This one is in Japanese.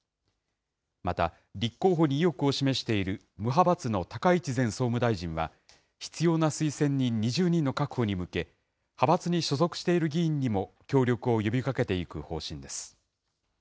また、立候補に意欲を示している無派閥の高市前総務大臣は必要な推薦人２０人の確保に向け、派閥に所属している議員にも協力を呼びかけていく方針です。